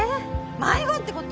迷子ってこと？